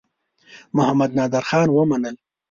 محمدنادرخان ومنلم.